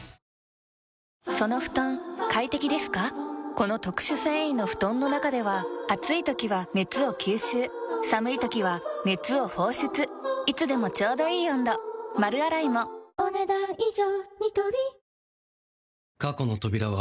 この特殊繊維の布団の中では暑い時は熱を吸収寒い時は熱を放出いつでもちょうどいい温度丸洗いもお、ねだん以上。